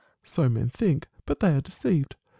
So men think. But they are deceived.